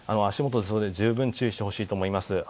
足元に十分注意してほしいと思います。